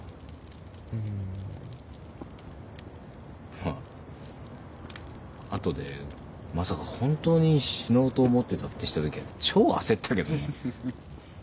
まぁ後でまさか本当に死のうと思ってたって知った時は超焦ったけどね。